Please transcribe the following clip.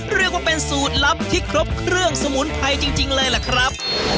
เรียกว่าเป็นสูตรลับที่ครบเครื่องสมุนไพรจริงเลยล่ะครับ